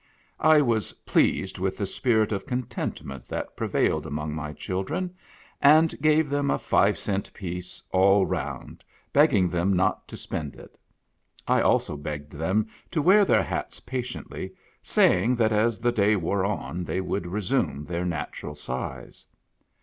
I was pleased with the spirit of contentment that prevailed among my children, and gave them a five cent piece all round, begging them not to spend it. I also begged them to wear their hats patiently, say ing that as the day wore on they would resume their natural size.